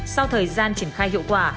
sau thời gian triển khai hiệu quả